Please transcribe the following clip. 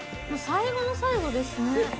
最後の最後ですね。